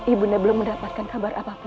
ibu nda belum mendapatkan kabar apapun